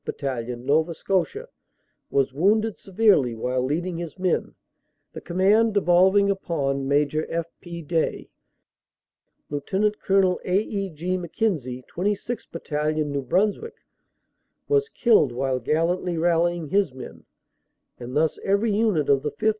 Battalion, Nova Scotia, was wounded severely while leading his men, the command devolving upon Major F. P. Day, Lt. Col. A. E. G. Mc Kenzie, 26th Battalion, New Brunswick, was killed while gallantly rallying his men, and thus every unit of the 5th.